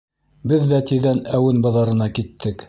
Беҙ ҙә тиҙҙән әүен баҙарына киттек.